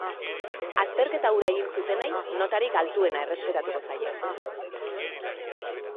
Azterketa hura egin zutenei notarik altuena errespetatuko zaie.